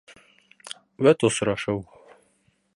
Вәт, осрашыу...